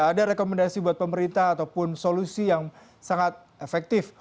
ada rekomendasi buat pemerintah ataupun solusi yang sangat efektif